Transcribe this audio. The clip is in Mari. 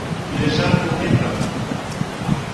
Кÿлешан улметым!